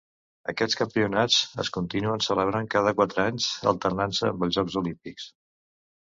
Aquests campionats es continuen celebrant cada quatre anys, alternant-se amb els Jocs Olímpics.